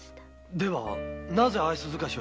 ではなぜ愛想づかしを？